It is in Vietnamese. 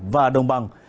và đông bằng